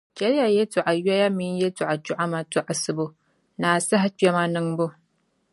chaliya yɛltɔɣa yoya minii yɛltɔɣa chɔɣima tɔɣisibu ni asahi kpɛma niŋbu.